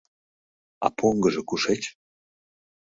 — А поҥгыжо кушеч?